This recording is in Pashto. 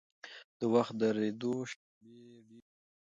د وخت د درېدو شېبې ډېرې درنې وي.